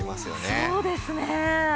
そうですね。